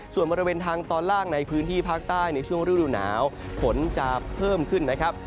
ส่วนบริเวณทางตอนล่างในพื้นที่ภาคใต้ในช่วงฤดูหนาวฝนจะเพิ่มขึ้นนะครับ